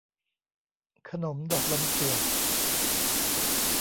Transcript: ขนมดอกลำเจียก